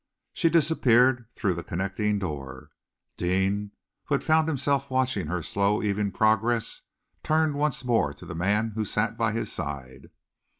She disappeared through the connecting door. Deane, who had found himself watching her slow, even progress, turned once more to the man who sat by his side.